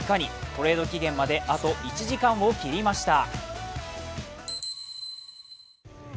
トレード期限まであと１時間を切りました。